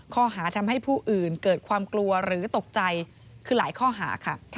ข้อหาทำให้ผู้อื่นเกิดความกลัวหรือตกใจคือหลายข้อหาค่ะ